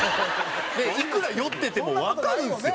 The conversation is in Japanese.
いくら酔っててもわかるんですよ。